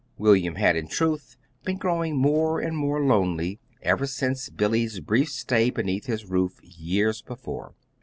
William had, in truth, been growing more and more lonely ever since Billy's brief stay beneath his roof years before.